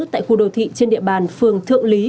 tại khu đô thị trên địa bàn phường thượng lý